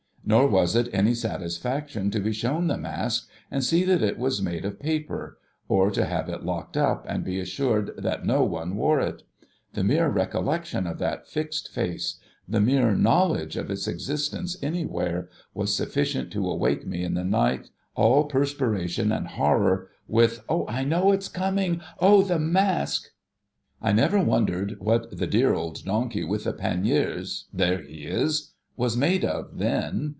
Nor was it any satisfaction to be shown the Mask, and see that it was made of paper, or to have it locked up and be assured that no one wore it. The mere recollection of that fixed face, the mere knowledge of its existence anywhere, was sufficient to awake me in the night all perspiration and horror, with, ' O I know it's coming ! O the mask !' I never wondered what the dear old donkey with the panniers — there he is ! was made of, then